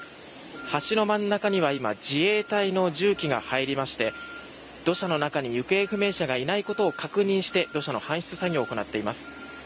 橋の真ん中には今自衛隊の重機が入りまして土砂の中に行方不明者がいないことを確認して土砂の搬出作業を行っています。